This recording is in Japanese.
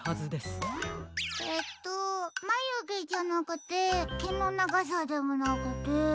えっとまゆげじゃなくてけのながさでもなくて。